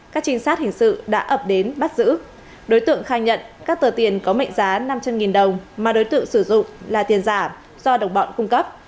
các trinh sát hình sự đã ập đến bắt giữ đối tượng khai nhận các tờ tiền có mệnh giá năm trăm linh đồng mà đối tượng sử dụng là tiền giả do đồng bọn cung cấp